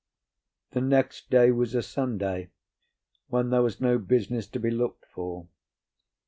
The next day was a Sunday, when there was no business to be looked for.